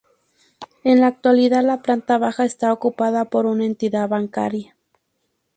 En la actualidad la planta baja esta ocupada por una entidad bancaria.